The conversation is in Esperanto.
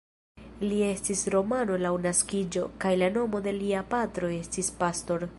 Li estis romano laŭ naskiĝo, kaj la nomo de lia patro estis Pastor.